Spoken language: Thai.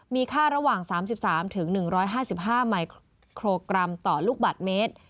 มีค่าระหว่าง๓๓๑๕๕มิโครกรัมต่อลูกบาทเมตร